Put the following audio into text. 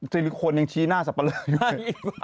ซิลิโคนยังชี้หน้าสับปะเลย